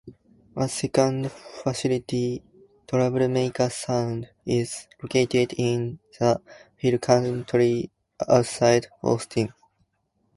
A second facility, Troublemaker Sound, is located in the hill country outside Austin.